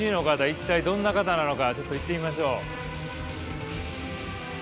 一体どんな方なのかちょっと行ってみましょう。